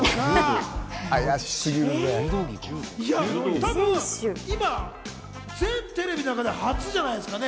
たぶん今、全テレビの中で初じゃないですかね？